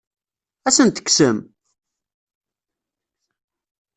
Ad asen-ten-tekksem?